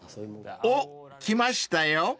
［おっ来ましたよ］